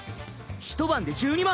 ひと晩で１２万。